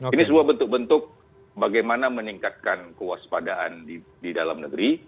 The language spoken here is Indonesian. ini sebuah bentuk bentuk bagaimana meningkatkan kewaspadaan di dalam negeri